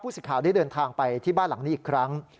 สิทธิ์ได้เดินทางไปที่บ้านหลังนี้อีกครั้ง